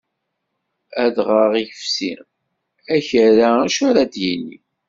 Adɣaɣ ifsi, akerra acu ar ad yini.